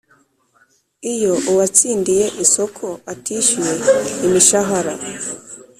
Iyo uwatsindiye isoko atishyuye imishahara